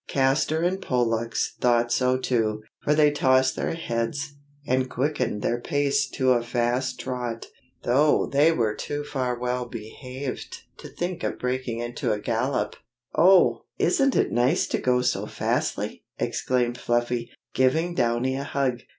Castor and Pollux thought so too, for they tossed their heads, and quickened their pace to a fast trot, though they were far too well behaved to think of breaking into a gallop. "Oh! isn't it nice to go so fastly?" exclaimed Fluffy, giving Downy a hug.